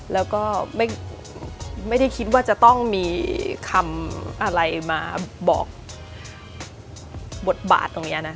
แล้วก็ไม่ได้คิดว่าจะต้องมีคำอะไรมาบอกบทบาทตรงนี้นะ